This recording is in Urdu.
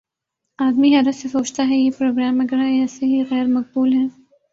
آدمی حیرت سے سوچتا ہے: یہ پروگرام اگر ایسے ہی غیر مقبول ہیں